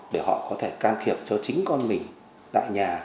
để họ có thể can thiệp cho chính con mình tại nhà